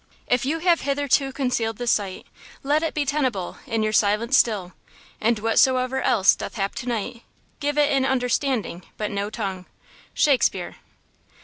If you have hitherto concealed this sight, Let it be tenable, in your silence still; And whatsoever else doth hap to night, Give it an understanding, but no tongue. –SHAKESPEARE.